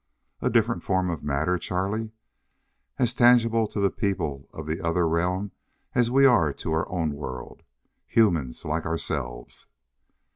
"A different form of matter, Charlie. As tangible to the people of the other realm as we are to our own world. Humans like ourselves."